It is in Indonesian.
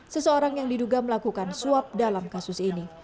seseorang yang diduga melakukan suap dalam kasus ini